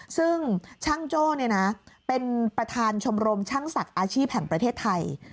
ซึ่งช่างโจ้เป็นประธานชมรมช่างศักดิ์อาชีพแห่งประเทศไทย